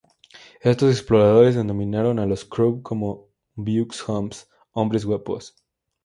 Estos exploradores denominaron a los crow como "beaux hommes", "hombres guapos".